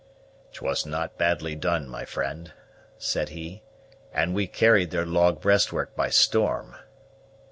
"'Twas not badly done, my friend," said he; "and we carried their log breastwork by storm."